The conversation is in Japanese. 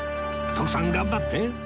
徳さん頑張って！